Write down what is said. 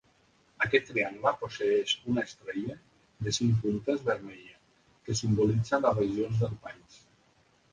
Aquest triangle posseeix una estrella de cinc puntes vermella, que simbolitza les regions del país.